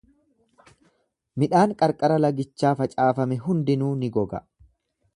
Midhaan qarqara lagichaa facaafame hundinuu ni goga.